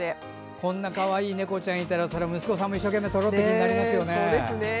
こんなかわいい猫ちゃんいたらそりゃ息子さんも、一生懸命撮ろうって気になりますよね。